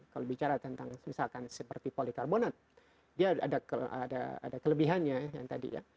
kalau bicara tentang misalkan seperti polikarbonat dia ada kelebihannya yang tadi ya